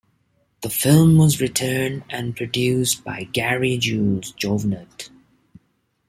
The film was written and produced by Gary Jules Jouvenat.